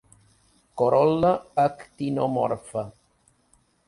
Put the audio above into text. Corol·la actinomorfa.